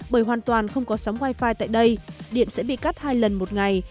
bởi hoàn toàn không có sóng wifi tại đây điện sẽ bị cắt hai lần một ngày